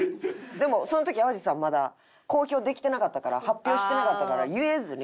でもその時淡路さんまだ公表できてなかったから発表してなかったから言えずに。